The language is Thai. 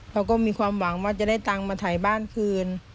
เขาก็มีความหวังว่าจะได้ตังค์มาถ่ายบ้านคืน